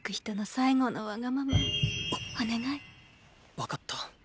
わかった。